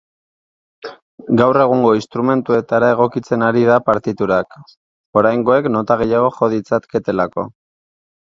Gaur egungo instrumentuetara egokitzen ari da partiturak, oraingoek nota gehiago jo ditzaketelako.